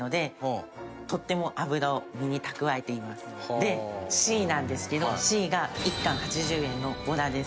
でＣなんですけどＣが１貫８０円のボラです。